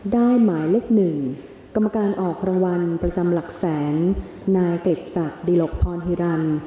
ได้หมายเลขหนึ่งกรรมการออกธรรมวัลประจำหลักแสงนายเกร็บสัตว์ดิหลกทรอนฮิรันต์